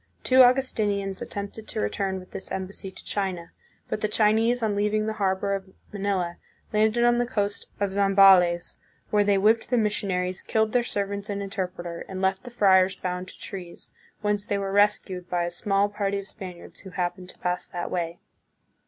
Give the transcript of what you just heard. Two Augustinians at tempted to return with this embassy to China, but the Chinese on leaving the harbor of Manila landed on the coast of Zambales, where they whipped the missionaries, killed their servants and interpreter, and left the friars bound to trees, whence they were rescued by a small party of Spaniards who happened to pass that way.